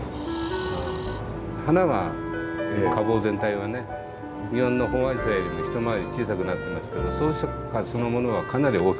花は花房全体はね日本のホンアジサイよりも一回り小さくなってますけど装飾花そのものはかなり大きくなってます。